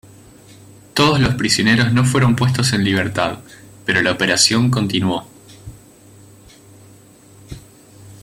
Todos los prisioneros no fueron puestos en libertad, pero la operación continuó.